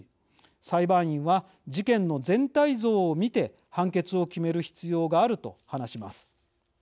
裁判員は事件の全体像を見て判決を決める必要がある」と話します。